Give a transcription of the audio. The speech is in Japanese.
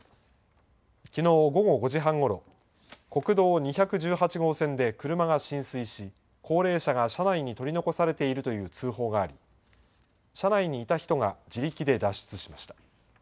きのう午後５時半頃、国道２１８号線で車が浸水し、高齢者が車内に取り残されているという通報があり、車内にいた人が自力で脱出しました。